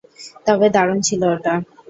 তবে দারুণ ছিলো ওটা।